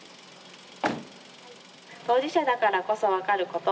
当事者だから分かること